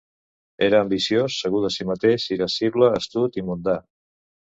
Era ambiciós, segur de si mateix, irascible, astut i mundà.